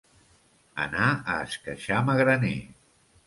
Anar a esqueixar magraner.